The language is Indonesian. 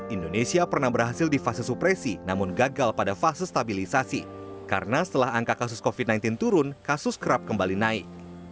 indonesia pernah berhasil di fase supresi namun gagal pada fase stabilisasi karena setelah angka kasus covid sembilan belas turun kasus kerap kembali naik